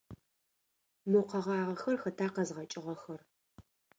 Мо къэгъагъэхэр хэта къэзгъэкӏыгъэхэр?